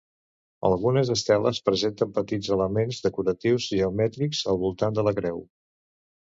Algunes esteles presenten petits elements decoratius geomètrics al voltant de la creu.